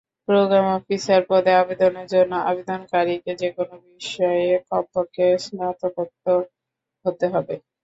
Programme officer পদে আবেদনের জন্য আবেদনকারীকে যেকোনো বিষয়ে কমপক্ষে স্নাতকোত্তর হতে হবে।